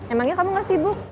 emangnya kamu nggak sibuk